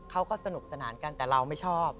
เขาก็สนุกสนานกันแต่เราไม่ชอบ